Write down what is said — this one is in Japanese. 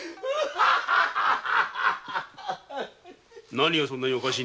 何がそんなにおかしい？